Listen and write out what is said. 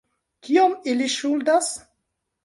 Kiom ili ŝuldas?